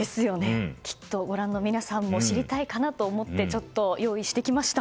きっとご覧の皆さんも知りたいかなと思って用意してきました。